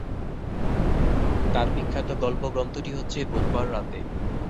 তাঁর বিখ্যাত গল্পগ্রন্থটি হচ্ছে বুধবার রাতে।